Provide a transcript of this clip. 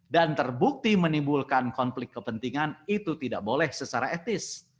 dan terbukti menimbulkan konflik kepentingan itu tidak boleh secara etis